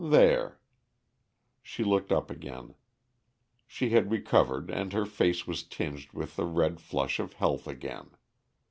There!" She looked up again. She had recovered and her face was tinged with the red flush of health again.